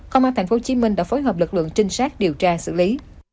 công an tp hcm đã phối hợp lực lượng trinh sát điều tra xử lý